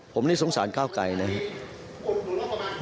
ผมนี่สงสารก้าวไกลนะครับ